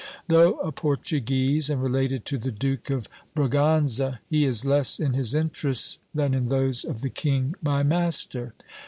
Though a Portuguese, and related to the Duke of Briganza, he is less in his interests than in those of the king my master.